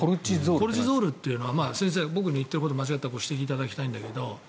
コルチゾールは先生僕の言っていることが間違っていたらご指摘いただきたいんだけど